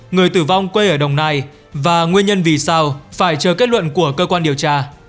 người tử vong quê ở đồng nai và nguyên nhân vì sao phải chờ kết luận của cơ quan điều tra